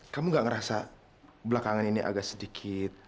kamu gak ngerasa belakangan ini agak sedikit